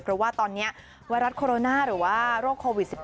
เพราะว่าตอนนี้ไวรัสโคโรนาหรือว่าโรคโควิด๑๙